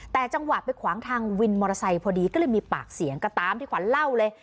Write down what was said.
แต่จังหวะไปขวางทางวินมอเตอร์ไซค์พอดีก็เลยมีปากเสียงก็ตามที่ขวัญเล่าเลย